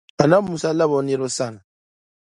Annabi Musa labi o niriba sani